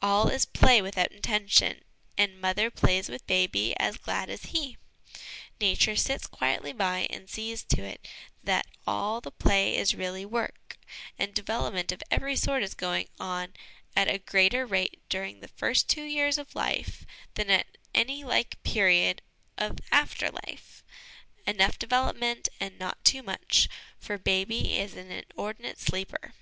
All is play without intention, and mother plays with baby as glad as he. Nature sits quietly by and sees to it that all the play is really work ; and development of every sort is going on at a greater rate during the first two years of life than at any like period of after life enough development and not too much, for baby is an inordinate sleeper.